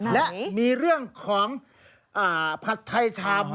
และมีเรื่องของผัดไทยชาม